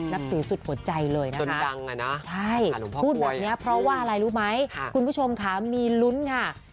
นับถือสุดหัวใจเลยนะคะจนดังอ่ะนะใช่พูดแบบนี้เพราะว่าอะไรรู้ไหมคุณผู้ชมค่ะมีลุ้นค่ะ